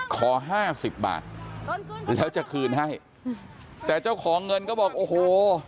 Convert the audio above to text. ขอห้าสิบบาทแล้วจะคืนให้แต่เจ้าของเงินก็บอกโอ้โห